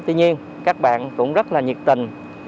tuy nhiên các bạn cũng rất là nhiệt tình